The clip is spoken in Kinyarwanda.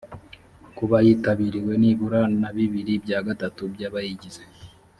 kuba yitabiriwe nibura na bibiri bya gatatu by’ abayigize